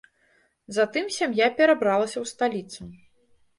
Затым сям'я перабралася ў сталіцу.